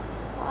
ya aku benar